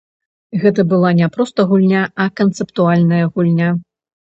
Гэта была не проста гульня, а канцэптуальная гульня.